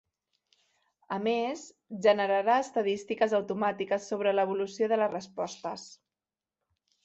A més, generarà estadístiques automàtiques sobre l’evolució de les respostes.